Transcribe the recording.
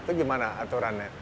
itu gimana aturannya